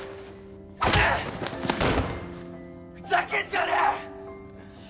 ふざけんじゃねえ！